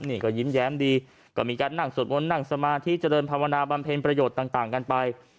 นี่ก็ยิ้มแย้มดีก็มีการนั่งสวดมนต์นั่งสมาธิเจริญภาวนาบำเพ็ญประโยชน์ต่างกันไป